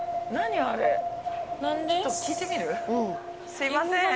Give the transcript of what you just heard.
すいません。